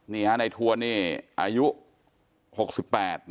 นายทวนอายุ๖๘ปี